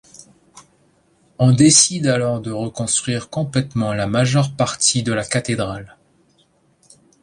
On décide alors de reconstruire complètement la majeure partie de la cathédrale.